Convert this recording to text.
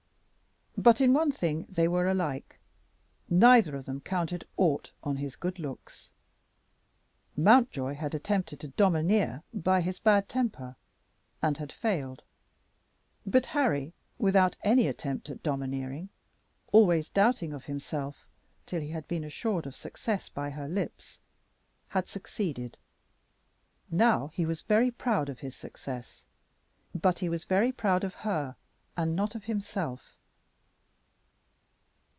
But in one thing they were alike: neither of them counted aught on his good looks. Mountjoy had attempted to domineer by his bad temper, and had failed; but Harry, without any attempt at domineering, always doubting of himself till he had been assured of success by her lips, had succeeded. Now he was very proud of his success; but he was proud of her, and not of himself.